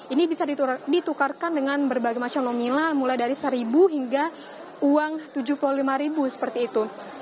ini bisa ditukarkan dengan berbagai macam nomila mulai dari satu ribu hingga uang tujuh puluh lima ribu seperti itu